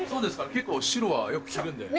結構白はよく着るんで。